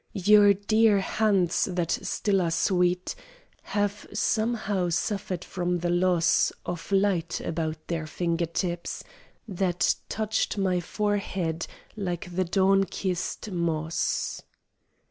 Your dear hands that still are sweet Have somehow suffered from the loss Of light about their finger tips That touched my forehead, like the dawn kissed moss.